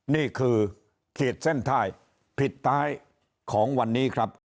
นี่คือเขตเส้นท่ายผิดตายของวันนี้ครับ